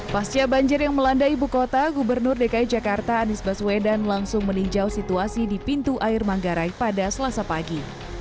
pasca banjir yang melanda ibu kota gubernur dki jakarta anies baswedan langsung meninjau situasi di pintu air manggarai pada selasa pagi